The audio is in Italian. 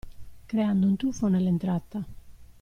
Creando un tuffo nell'entrata.